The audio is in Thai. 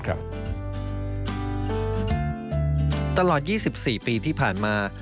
ตลอด๒๔ปีที่ผ่านมา